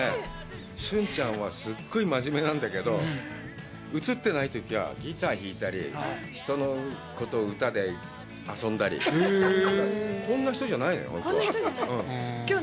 俊ちゃんはすごく真面目なんだけど、映ってないときはギターを弾いたり、人のことを歌で遊んだり、こんな人じゃないのよ、本当は。